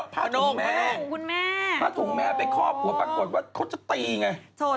พาธุงแม่พาผุ่นแม่ไปคอบว่าปรากฏว่าเขาจะตีอย่างนั้น